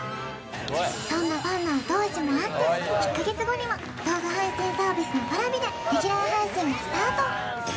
そんなファンの後押しもあって１か月後には動画配信サービスのＰａｒａｖｉでレギュラー配信がスタート。